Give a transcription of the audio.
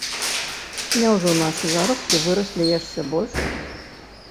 Няўжо нашы заробкі выраслі яшчэ больш?!